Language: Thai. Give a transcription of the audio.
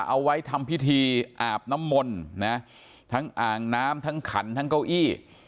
เอาไว้ทำพิธีอาบน้ำมนต์นะทั้งอ่างน้ำทั้งขันทั้งเก้าอี้